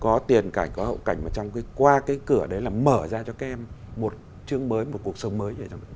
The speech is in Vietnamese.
có tiền cảnh có hậu cảnh mà qua cái cửa đấy là mở ra cho các em một chương mới một cuộc sống mới